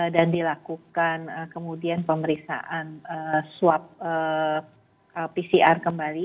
dan dilakukan kemudian pemeriksaan swab pcr kembali